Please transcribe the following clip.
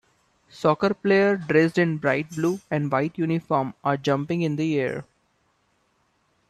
Soccer players dressed in bright blue and white uniforms are jumping in the air